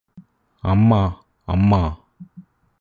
അമ്മാ അമ്മാ